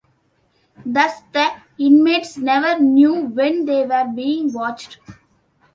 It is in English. Thus the inmates never knew when they were being watched.